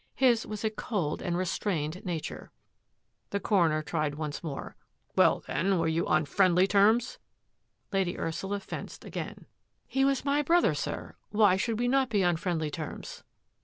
His was a cold and restrained na ture." The coroner tried once more. "Well, then, were you on friendly terms? " Lady Ursula fenced again. " He was my THRUST AND PARRY 177 brother, sir. Why should we not be on friendly terms?